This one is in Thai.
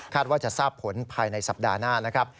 ว่าจะทราบผลภายในสัปดาห์หน้านะครับ